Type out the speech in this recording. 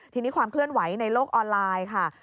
ทีนี้ความเคลื่อนไหวในโลกออนไลน์ค่ะ